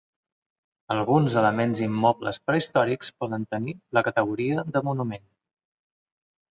Alguns elements immobles prehistòrics poden tenir la categoria de monument.